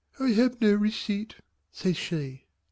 "I have no receipt" says she.